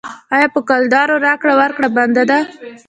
آیا په کلدارو راکړه ورکړه بنده ده؟